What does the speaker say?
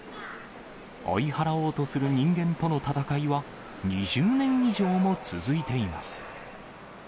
追い払おうとする人間との戦いは、２０年以上も続いています。